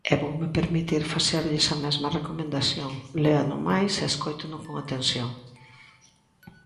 E voume permitir facerlles a mesma recomendación: léano máis e escóiteno con atención.